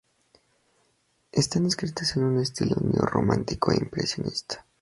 Están escritas en un estilo neo-romántico e impresionista.